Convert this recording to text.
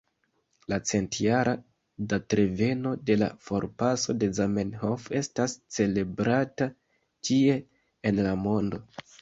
La centjara datreveno de la forpaso de Zamenhof estas celebrata ĉie en la mondo.